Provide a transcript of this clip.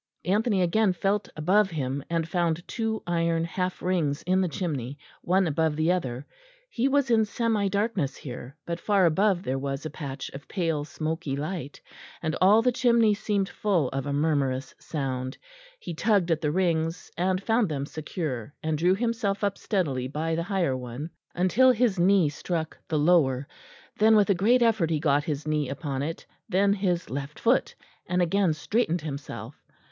Anthony again felt above him, and found two iron half rings in the chimney, one above the other; he was in semi darkness here, but far above there was a patch of pale smoky light; and all the chimney seemed full of a murmurous sound. He tugged at the rings and found them secure, and drew himself up steadily by the higher one, until his knee struck the lower; then with a great effort he got his knee upon it, then his left foot, and again straightened himself.